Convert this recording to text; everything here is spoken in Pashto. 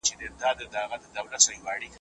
ایا د سبزیو په خوړلو سره د بدن داخلي غړي پاکېږي؟